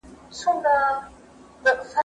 ته ولي موبایل کاروې!.